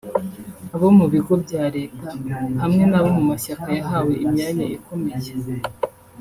abo mu bigo bya Leta hamwe n'abo mu mashyaka yahawe imyanya ikomeye